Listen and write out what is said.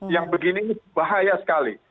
yang begini bahaya sekali